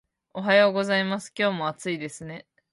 おはようございます。今日も暑いですね